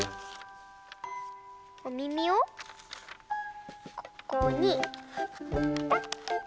おみみをここにぺた。